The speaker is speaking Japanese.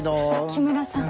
木村さん。